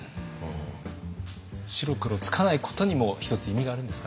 白黒つかないことにも一つ意味があるんですかね。